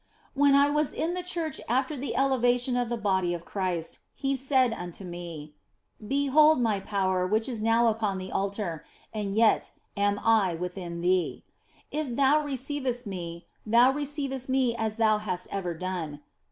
When I was in the church after the elevation of the Body of Christ He said unto me :" Behold My power which is now upon the altar, and yet am I within thee ; if thou receivest Me, thou receivest Me as thou hast ever done.